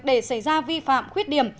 để xảy ra vi phạm khuyết điểm